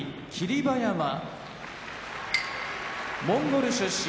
馬山モンゴル出身